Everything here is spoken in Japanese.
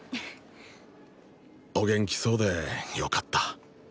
お元気そうでよかった